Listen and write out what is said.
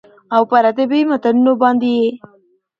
او پر ادبي متونو باندې يې